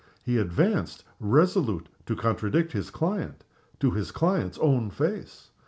He advanced, resolute to contradict his client, to his client's own face.